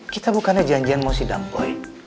kita bukannya janjian mau sidang boy